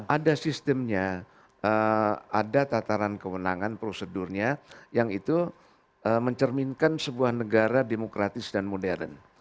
ada sistemnya ada tataran kewenangan prosedurnya yang itu mencerminkan sebuah negara demokratis dan modern